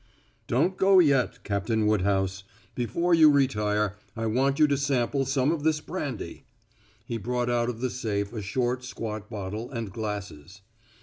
"Don't go yet, Captain Woodhouse. Before you retire I want you to sample some of this brandy." He brought out of the safe a short squat bottle and glasses.